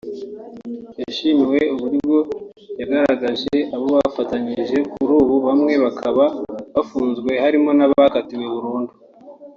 yashimiwe uburyo yagaragaje abo bafatanyije kuri ubu bamwe bakaba bafunze harimo n’abakatiwe burundu